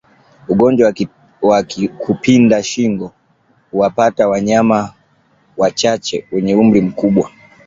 Ugonjwa wa kupinda shingo huwapata wanyama wachache wenye umri mkubwa